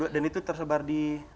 tiga puluh dua dan itu tersebar di